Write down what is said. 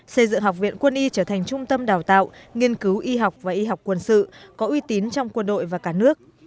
xây dựng học viện quân y trở thành trung tâm đào tạo nghiên cứu y học và y học quân sự có uy tín trong quân đội và cả nước